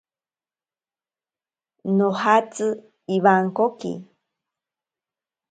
Nojatsi iwankoki.